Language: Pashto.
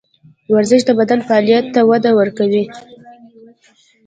ورزش د بدن فعالیت ته وده ورکوي.